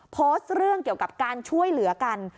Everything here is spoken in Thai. โพสต์เรื่องเกี่ยวกับการช่วยเหลือกัน